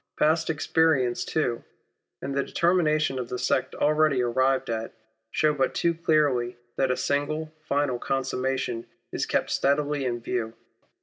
Past experience too, and the determinations of the sect already arrived at, show but too clearly that a single final consummation is kept steadily in view.